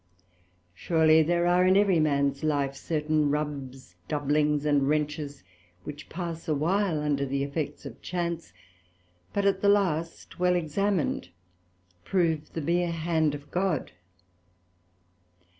Surely there are in every man's Life certain rubs, doublings, and wrenches, which pass a while under the effects of chance, but at the last well examined, prove the meer hand of God.